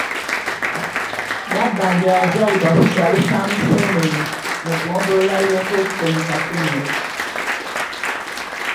Nabbanja yazaalibwa ku kyalo Kamuseenene, mu ggombolola y’e Nkooko mu Kakumiro.